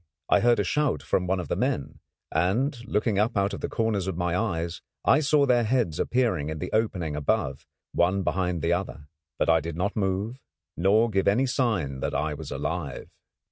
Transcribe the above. I heard a shout from one of the men, and, looking up out of the corners of my eyes, I saw their heads appearing in the opening above, one behind the other. But I did not move nor give any sign that I was alive.